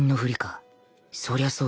そりゃそうだよな